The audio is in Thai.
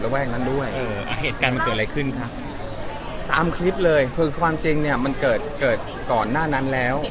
เปล่าครับต้นคลิปเลยธ่าราชินใจเกิดก่อนหน้านั้นแล้ว